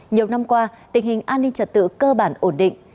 nhiều năm qua tình hình an ninh trật tự cơ bản ổn định